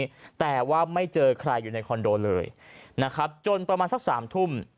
แต่ว่าไม่เจอใครอยู่ในคอนโดเลยนะครับจนประมาณสักสามทุ่ม